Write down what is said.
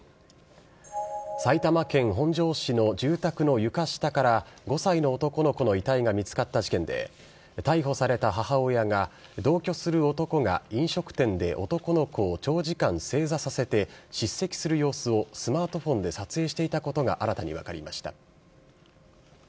埼玉県本庄市の住宅の床下から、５歳の男の子の遺体が見つかった事件で、逮捕された母親が、同居する男が飲食店で男の子を長時間正座させて、しっ責する様子をスマートフォンで撮影していたことが新たに分かりました。